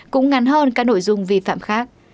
cũng ngắn hơn các nội dung vi phạm khác